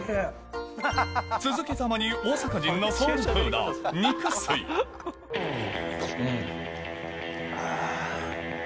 続けざまに大阪人のソウルフードあぁ。